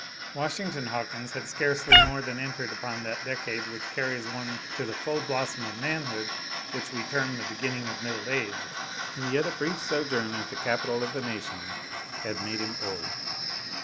Washington Hawkins had scarcely more than entered upon that decade which carries one to the full blossom of manhood which we term the beginning of middle age, and yet a brief sojourn at the capital of the nation had made him old.